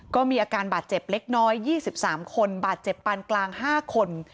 ก็มีอาการบาดเจ็บเล็กน้อย๒๓คนบาดเจ็บปานกลาง๕คน